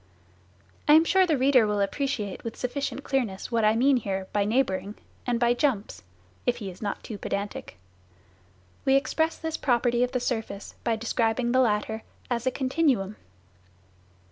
I am sure the reader will appreciate with sufficient clearness what I mean here by " neighbouring " and by " jumps " (if he is not too pedantic). We express this property of the surface by describing the latter as a continuum.